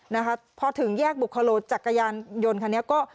นะคะพอถึงแยกบุคโลจักรยานยนต์คันนี้ก็